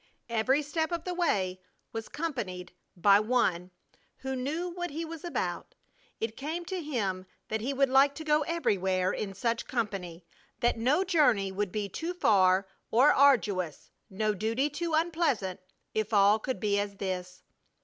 Every step of the way was companioned by One who knew what He was about. It came to him that he would like to go everywhere in such company; that no journey would be too far or arduous, no duty too unpleasant if all could be as this.